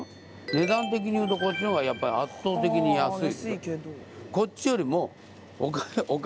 値段的にいうとこっちの方が圧倒的に安い。